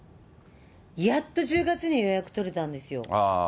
やっと１０月に予約取れたんですよ。